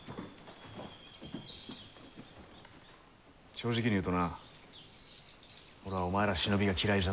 正直に言うとな俺はお前ら忍びが嫌いじゃった。